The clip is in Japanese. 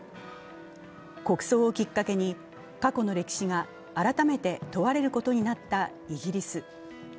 国葬をきっかけに、過去の歴史が改めて問われることになったイギリス。